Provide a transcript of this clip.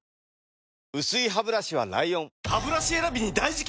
薄いハブラシは ＬＩＯＮハブラシ選びに大事件！